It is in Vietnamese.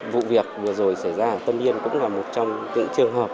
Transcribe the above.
vụ việc vừa rồi xảy ra ở tân yên cũng là một trong những trường hợp